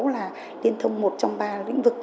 là liên thông một trong ba lĩnh vực